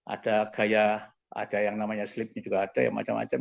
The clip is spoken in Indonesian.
ada gaya ada yang namanya sleepnya juga ada yang macam macam